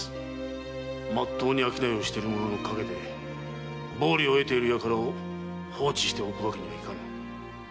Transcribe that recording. まっとうに商いをしている者の陰で暴利を得ている輩を放置しておくわけにはいかぬ。